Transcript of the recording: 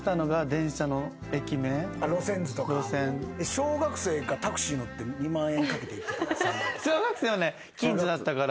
小学生からタクシー乗って２万円かけて行ってたの？